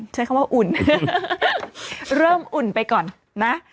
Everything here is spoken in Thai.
ใช้คำว่าอุ่นเริ่มอุ่นไปก่อนนะ